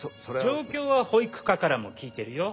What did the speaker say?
状況は保育課からも聞いてるよ。